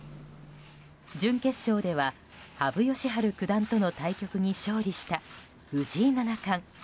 準決勝では、羽生善治九段との対局に勝利した藤井七冠。